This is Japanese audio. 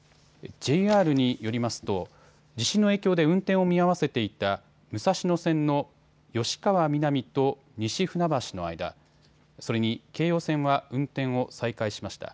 ＪＲによりますと地震の影響で運転を見合わせていた武蔵野線の吉川美南と西船橋の間、それに京葉線は運転を再開しました。